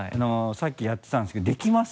さっきやってたんですけどできます？